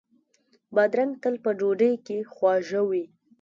بادرنګ تل په ډوډۍ کې خواږه وي.